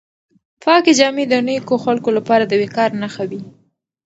پاکې جامې د نېکو خلکو لپاره د وقار نښه وي.